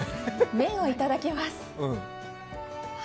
麺をいただきます。